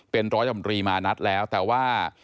เป็นร้อยจำรีมานัดแล้วแต่ว่า